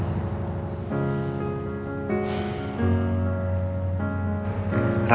rara percaya sama opah